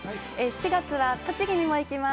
４月は栃木にも行きます。